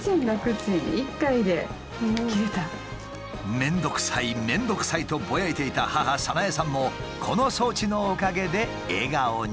「面倒くさい面倒くさい」とボヤいていた母・早苗さんもこの装置のおかげで笑顔に。